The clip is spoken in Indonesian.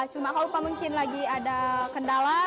cuma kak lupa mungkin lagi ada kendala